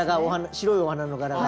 白いお花の柄が。